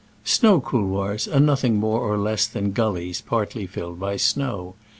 Snow couloirs are nothing more or less than gullies partly filled by snow.